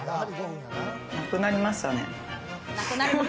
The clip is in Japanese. なくなりましたね。